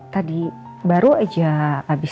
tadi baru aja